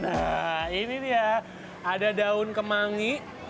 nah ini dia ada daun kemangi